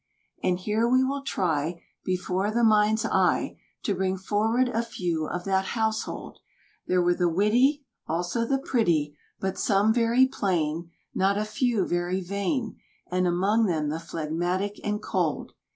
And here we will try Before the mind's eye, To bring forward a few of that household; There were the witty, Also the pretty, But some very plain, Not a few very vain, And among them the phlegmatic and cold.